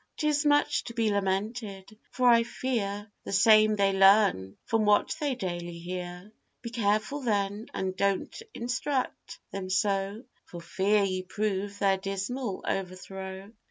'Tis much to be lamented, for I fear The same they learn from what they daily hear; Be careful then, and don't instruct them so, For fear you prove their dismal overthrow.